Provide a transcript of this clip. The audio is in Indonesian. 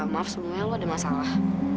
maaf semuanya lo ada masalah